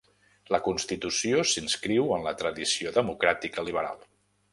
La constitució s'inscriu en la tradició democràtica liberal.